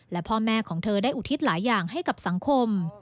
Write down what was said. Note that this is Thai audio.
และพ่อแม่ของเธอได้อุทิศหลายอย่างให้กับสังคม